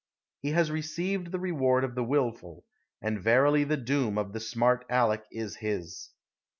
He has received the reward of the willful, and verily the doom of the smart Aleck is his."